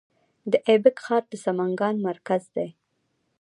د ایبک ښار د سمنګان مرکز دی